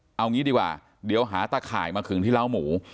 เอางี้ดีกว่าเดี๋ยวหาตะข่ายมาขึงที่เล้าหมู